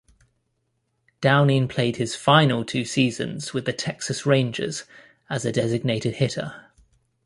Downing played his final two seasons with the Texas Rangers as a designated hitter.